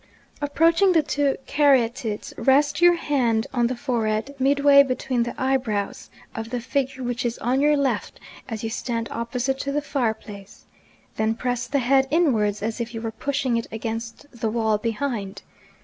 Approaching the two Caryatides, rest your hand on the forehead (midway between the eyebrows) of the figure which is on your left as you stand opposite to the fireplace, then press the head inwards as if you were pushing it against the wall behind.